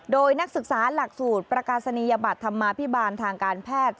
โดยนักศึกษาหลักสูตรประกาศนียบัตรธรรมาภิบาลทางการแพทย์